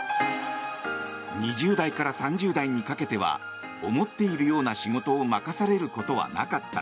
２０代から３０代にかけては思っているような仕事を任されることはなかった。